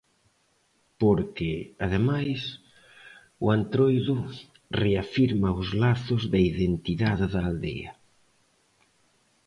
Porque, ademais, o Entroido reafirma os lazos da identidade da aldea.